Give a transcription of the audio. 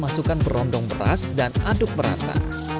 masukkan berondong beras dan aduk merata